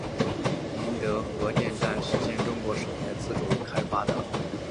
宁德核电站实现中国首台自主开发的百万千瓦级核电站全范围模拟机的投用。